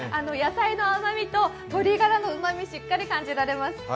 野菜の甘みと鶏ガラのうまみ、しっかり感じられます。